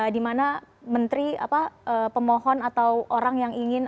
di mana menteri pemohon atau orang yang ingin